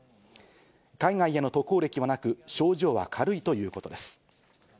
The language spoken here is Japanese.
海外への渡航歴はなく、症状は軽いということです。